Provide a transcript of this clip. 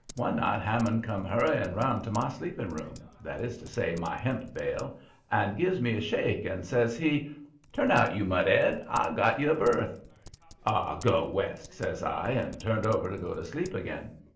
One night Hammond come hurrying round to my sleeping room that is to say, my hemp bale and gives me a shake, and says he: "'Turn out, you mud 'ead, I've got you a berth.' "'Aw, go west!' says I, and turned over to go to sleep again.